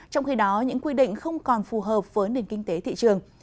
trong khi đó những quy định không còn phù hợp với nền kinh tế thị trường